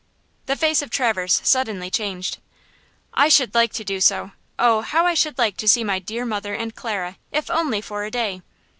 The face of Traverse suddenly changed. "I should like to do so! Oh, how I should like to see my dear mother and Clara, if only for a day!